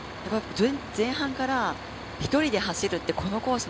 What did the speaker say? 前半から１人で走るってこのコース